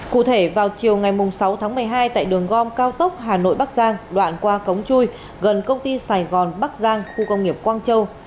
cụ thể vào chiều ngày sáu tháng một mươi hai tại đường gom cao tốc hà nội bắc giang đoạn qua cống chui gần công ty sài gòn bắc giang khu công nghiệp quang châu